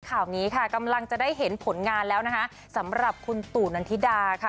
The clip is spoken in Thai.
ข่าวนี้ค่ะกำลังจะได้เห็นผลงานแล้วนะคะสำหรับคุณตู่นันทิดาค่ะ